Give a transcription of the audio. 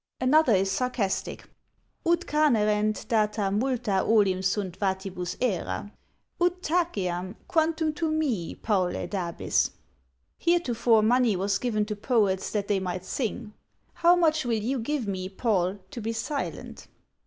Another is sarcastic Ut canerent data multa olim sunt Vatibus æra: Ut taceam, quantum tu mihi, Paule, dabis? "Heretofore money was given to poets that they might sing: how much will you give me, Paul, to be silent?"